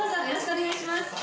よろしくお願いします！